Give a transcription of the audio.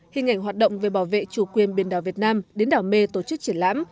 hình ảnh hoạt động về bảo vệ chủ quyền biển đảo việt nam đến đảo mê tổ chức triển lãm